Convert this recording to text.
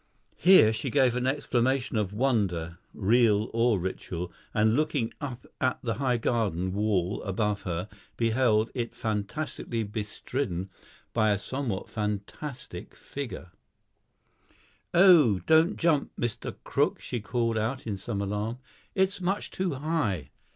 Here she gave an exclamation of wonder, real or ritual, and looking up at the high garden wall above her, beheld it fantastically bestridden by a somewhat fantastic figure. "Oh, don't jump, Mr. Crook," she called out in some alarm; "it's much too high."